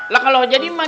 lah kalau jadi makin